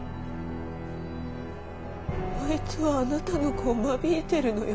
あいつはあなたの子を間引いているのよ。